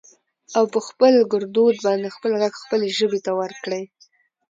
او په خپل ګردود باندې خپل غږ خپلې ژبې ته ورکړٸ